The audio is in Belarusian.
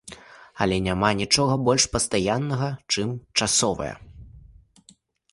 Але няма нічога больш пастаяннага, чым часовае.